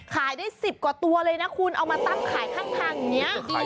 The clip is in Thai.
ขายได้๑๐กว่าตัวเลยนะคุณเอามาตั้งขายข้างทางอย่างนี้